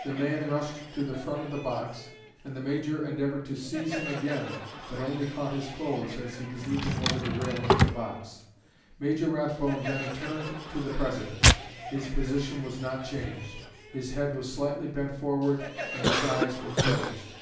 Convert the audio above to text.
The man rushed to the front of the box, and the Major endeavored to seize him again, but only caught his clothes as he was leaping over the railing of the box. Major Rathbone then turned to the President. His position was not changed; his head was slightly bent forward, and his eyes were closed.